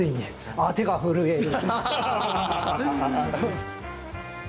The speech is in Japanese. あっ手が震える。